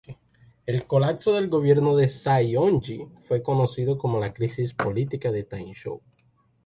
El colapso del gobierno de Saionji fue conocido como la "Crisis política de Taishō".